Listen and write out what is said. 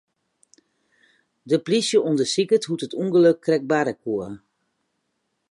De plysje ûndersiket hoe't it ûngelok krekt barre koe.